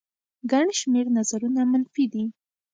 ګڼ شمېر نظرونه منفي دي